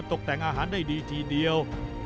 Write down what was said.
ตกแต่งอาหารได้ดีทีเดียว